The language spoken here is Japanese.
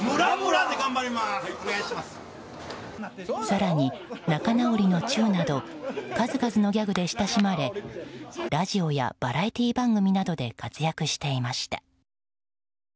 更に、仲直りのチューなど数々のギャグで親しまれラジオやバラエティー番組などで活躍していました。